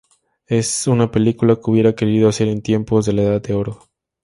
Es una película que hubiera querido hacer en tiempos de La Edad de Oro.